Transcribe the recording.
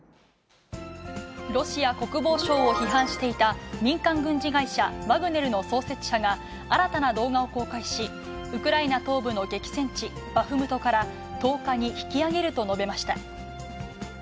ロシア国防省を批判していた、民間軍事会社、ワグネルの創設者が、新たな動画を公開し、ウクライナ東部の激戦地、バフムトから、１０日に引きあげると述べました。